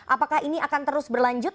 apakah ini akan terus berlanjut